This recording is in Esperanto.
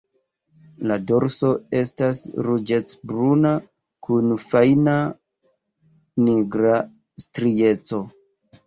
La dorso estas ruĝecbruna kun fajna nigra strieco.